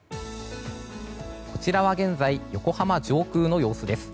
こちらは現在の横浜上空の映像です。